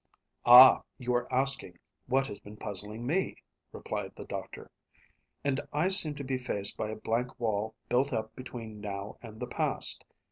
"Ah, you are asking what has been puzzling me," replied the doctor, "and I seem to be faced by a blank wall built up between now and the past.